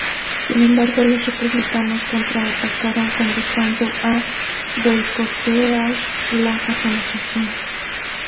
Sin embargo, los Republicanos contra atacaron convocando a boicotear la organización.